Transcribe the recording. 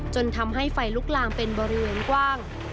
จนทำให้ไฟลุกลามเป็นบริเวณกว้าง